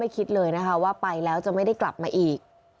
คิดเลยนะคะว่าไปแล้วจะไม่ได้กลับมาอีก